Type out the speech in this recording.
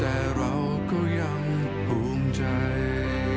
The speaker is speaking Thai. แต่เราก็ยังภูมิใจ